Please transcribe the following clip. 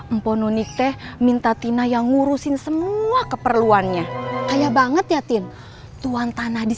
emponunite minta tina yang ngurusin semua keperluannya kaya banget ya tin tuan tanah di